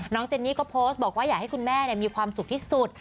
เจนนี่ก็โพสต์บอกว่าอยากให้คุณแม่มีความสุขที่สุด